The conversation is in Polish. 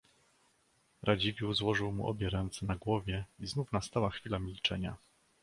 "Radziwiłł złożył mu obie ręce na głowie i znów nastała chwila milczenia..."